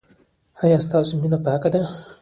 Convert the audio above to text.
ایا ستاسو مینه پاکه ده؟